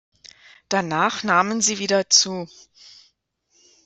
Danach nahmen sie wieder zu.